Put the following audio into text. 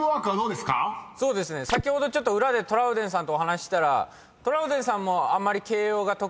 先ほどちょっと裏でトラウデンさんとお話ししたら。